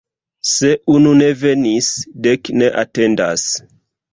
Se unu ne venis, dek ne atendas.